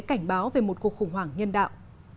quốc tế cảnh báo về một cuộc khủng hoảng nhân đạo